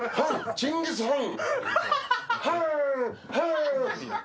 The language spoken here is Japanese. チンギスハン。